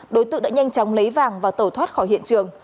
đối tượng đã nhanh chóng lấy vàng và tẩu thoát khỏi hiện trường